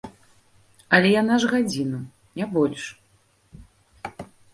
Але яна ж гадзіну, не больш.